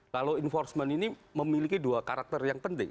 law enforcement ini memiliki dua karakter yang penting